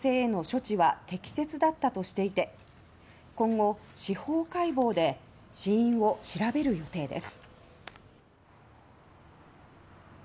警察は、男性への処置は適切だったとしていて今後で死因を調べる予定です。